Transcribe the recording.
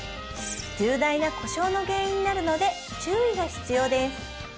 重大な故障の原因になるので注意が必要です